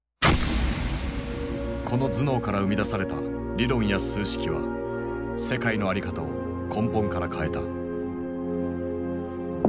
この頭脳から生み出された理論や数式は世界の在り方を根本から変えた。